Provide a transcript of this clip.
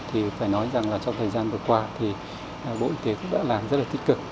thì phải nói rằng trong thời gian vừa qua bộ y tế cũng đã làm rất tích cực